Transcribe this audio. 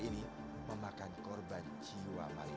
yang memakan korban jiwa marinir